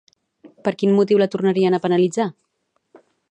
Per quin motiu la tornarien a penalitzar?